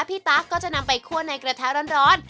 ตั๊กก็จะนำไปคั่วในกระทะร้อน